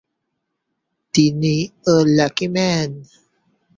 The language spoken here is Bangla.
তিনি "ও লাকি ম্যান!"